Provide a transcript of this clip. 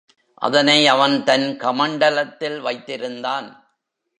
அதனை அவன் தன் கமண்டலத்தில் வைத்திருந்தான்.